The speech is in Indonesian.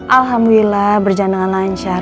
alhamdulillah berjalan dengan lancar